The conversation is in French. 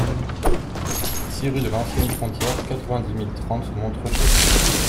six rue de l'Ancienne Frontière, quatre-vingt-dix mille cent trente Montreux-Château